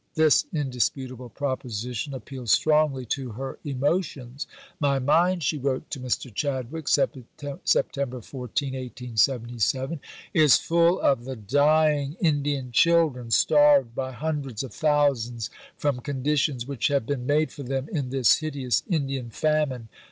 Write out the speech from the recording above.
This indisputable proposition appealed strongly to her emotions. "My mind," she wrote to Mr. Chadwick (Sept. 14, 1877), "is full of the dying Indian children, starved by hundreds of thousands from conditions which have been made for them, in this hideous Indian famine....